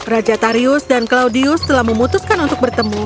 raja tarius dan claudius telah memutuskan untuk bertemu